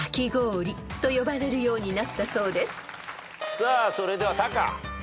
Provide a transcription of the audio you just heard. さあそれではタカ。